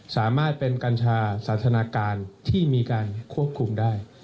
สามารถเป็นกัญชาสาธนาการที่มีการควบคุมได้